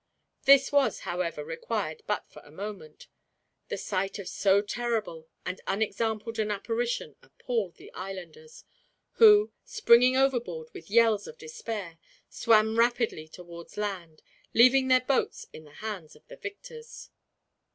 This was, however, required but for a moment. The sight of so terrible and unexampled an apparition appalled the islanders; who, springing overboard with yells of despair, swam rapidly towards land, leaving their boats in the hands of the victors.